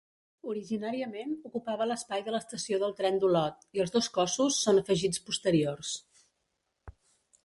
Originàriament ocupava l'espai de l'estació del tren d'Olot i els dos cossos són afegits posteriors.